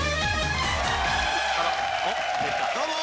どうも！